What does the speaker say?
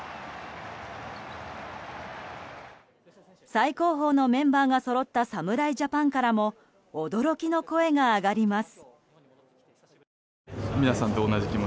最高峰のメンバーがそろった侍ジャパンからも驚きの声が上がります。